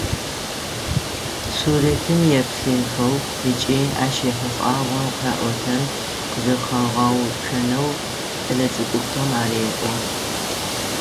Сурэтым еплъынхэу ыкӏи ащ ехьылӏагъэу къэӏотэн къызэхагъэуцонэу кӏэлэцӏыкӏухэм ареӏо.